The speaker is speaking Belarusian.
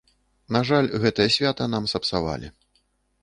На жаль, гэтае свята нам сапсавалі.